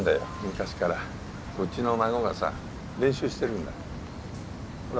昔からうちの孫がさ練習してるんだほら